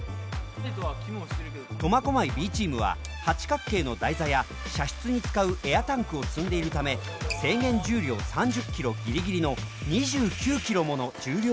苫小牧Ｂチームは八角形の台座や射出に使うエアタンクを積んでいるため制限重量３０ｋｇギリギリの２９ｋｇもの重量がありました。